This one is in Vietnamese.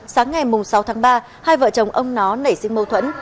sáng ngày sáu tháng ba hai vợ chồng ông nó nảy sinh mâu thuẫn